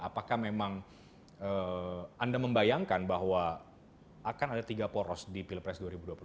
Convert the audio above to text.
apakah memang anda membayangkan bahwa akan ada tiga poros di pilpres dua ribu dua puluh empat